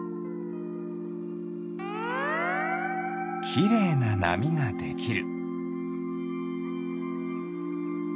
きれいななみができる。